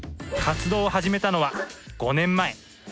活動を始めたのは５年前。